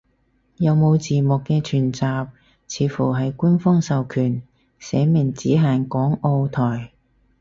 有冇字幕嘅全集，似乎係官方授權，寫明只限港澳台